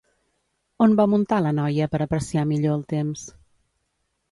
On va muntar la noia per apreciar millor el temps?